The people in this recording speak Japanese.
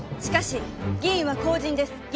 しかし議員は公人です。